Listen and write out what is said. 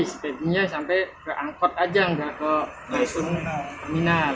sepeginya sampai ke angkot aja gak ke terminal